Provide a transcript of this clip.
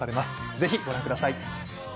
ぜひご覧ください。